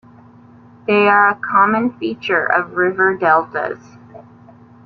They are a common feature of river deltas.